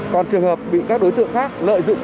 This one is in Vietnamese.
còn trường hợp bị các đối tượng khác lợi dụng